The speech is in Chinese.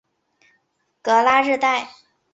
戈拉日代。